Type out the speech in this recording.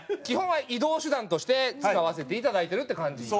基本は移動手段として使わせて頂いてるって感じ。